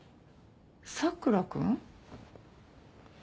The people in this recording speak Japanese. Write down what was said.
佐倉君？